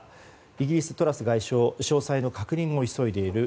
イギリスのトラス外相は詳細の確認を急いでいる。